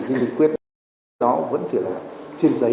thì nghị quyết đó vẫn chỉ là trên giấy